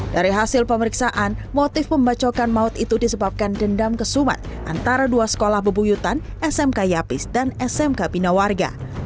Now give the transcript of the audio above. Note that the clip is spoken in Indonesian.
dari hasil pemeriksaan motif pembacokan maut itu disebabkan dendam kesumat antara dua sekolah bebuyutan smk yapis dan smk bina warga